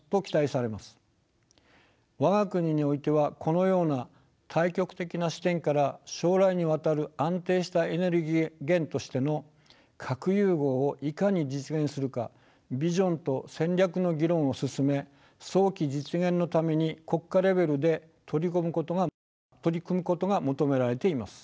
我が国においてはこのような大局的な視点から将来にわたる安定したエネルギー源としての核融合をいかに実現するかビジョンと戦略の議論を進め早期実現のために国家レベルで取り組むことが求められています。